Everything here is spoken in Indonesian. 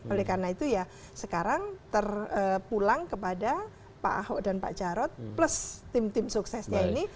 oleh karena itu ya sekarang terpulang kepada pak ahok dan pak jarod plus tim tim suksesnya ini